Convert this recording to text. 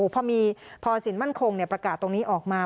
พอมีพอสินมั่นคงประกาศตรงนี้ออกมา